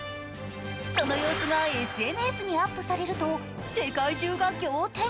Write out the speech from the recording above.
その様子が、ＳＮＳにアップされると世界中が仰天。